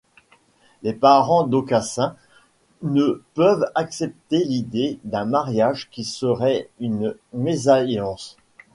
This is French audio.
Les parents d'Aucassin ne peuvent accepter l'idée d'un mariage qui serait une mésalliance.